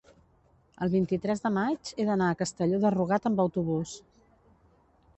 El vint-i-tres de maig he d'anar a Castelló de Rugat amb autobús.